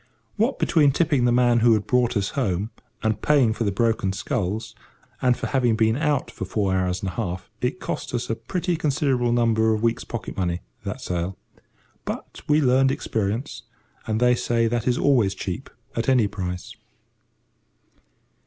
What between tipping the man who had brought us home, and paying for the broken sculls, and for having been out four hours and a half, it cost us a pretty considerable number of weeks' pocket money, that sail. But we learned experience, and they say that is always cheap at any price.